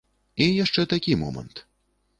І яшчэ такі момант.